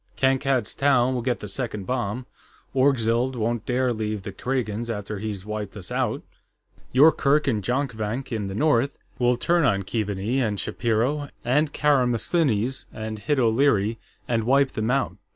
Kankad's Town will get the second bomb; Orgzild won't dare leave the Kragans after he's wiped us out. Yoorkerk and Jonkvank, in the north, will turn on Keaveney and Shapiro and Karamessinis and Hid O'Leary and wipe them out.